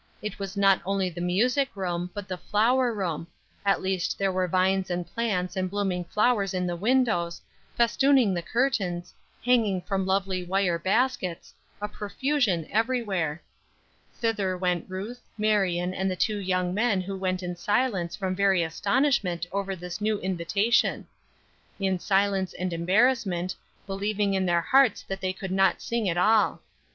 It was not only the music room but the flower room; at least there were vines and plants and blooming flowers in the windows, festooning the curtains, hanging from lovely wire baskets, a profusion everywhere. Thither went Ruth, Marion, and the two young men who went in silence from very astonishment over this new invitation. In silence and embarrassment, believing in their hearts that they could not sing at all.